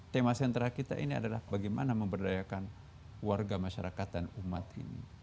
tema sentra kita ini adalah bagaimana memberdayakan warga masyarakat dan umat ini